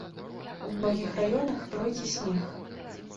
У многіх раёнах пройдзе снег.